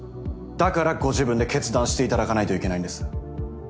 だからご自分で決断していただかないといけないんです。